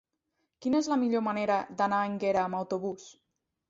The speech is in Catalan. Quina és la millor manera d'anar a Énguera amb autobús?